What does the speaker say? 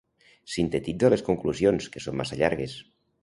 Sintetitza les conclusions, que són massa llargues.